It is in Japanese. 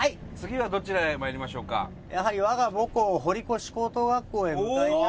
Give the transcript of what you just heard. やはり我が母校堀越高等学校へ向かいたいなと。